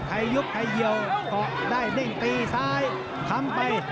ใครยุบใครเยี่ยวก็ได้ดิ้นตีซ้ายคำไป